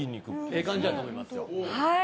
ええ感じやと思います。